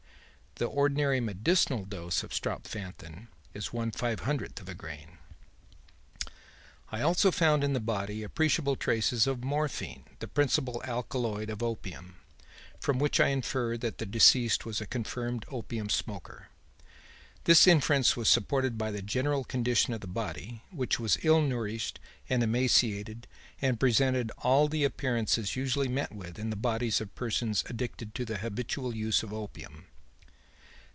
The ordinary medicinal dose of strophanthin is one five hundredth of a grain. "'I also found in the body appreciable traces of morphine the principal alkaloid of opium from which I infer that the deceased was a confirmed opium smoker. This inference was supported by the general condition of the body, which was ill nourished and emaciated and presented all the appearances usually met with in the bodies of persons addicted to the habitual use of opium.'